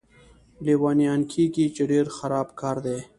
لیونیان کېږي، چې ډېر خراب کار دی.